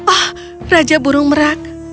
ah raja burung merak